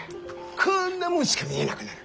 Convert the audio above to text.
こんなもんしか見えなくなる！